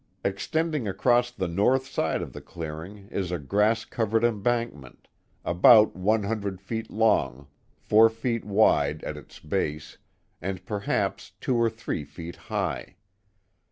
Extending across the north side of the clearing is a grass cov ered embankment, about one hundred feet long, four feet wide at its base, and perhaps two or three feet high.